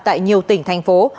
tại nhiều tỉnh thành phố